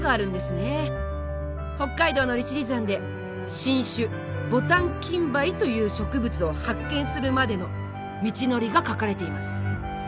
北海道の利尻山で新種ボタンキンバイという植物を発見するまでの道のりが書かれています。